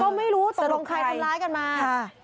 ก็ไม่รู้ตกลงใครทำร้ายกันมา